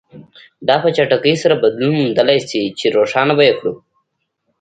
دا په چټکۍ سره بدلون موندلای شي چې روښانه به یې کړو.